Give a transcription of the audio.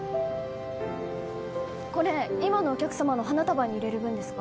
これ今のお客様の花束に入れる分ですか？